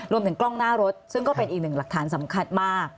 รวมถึงกล้องหน้ารถซึ่งก็เป็นอีกหนึ่งหลักฐานสำคัญมาก